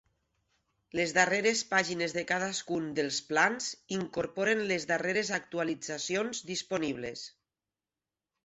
Les diferents pàgines de cadascun dels plans incorporen les darreres actualitzacions disponibles.